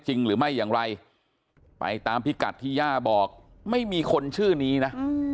จริงหรือไม่อย่างไรไปตามพิกัดที่ย่าบอกไม่มีคนชื่อนี้นะ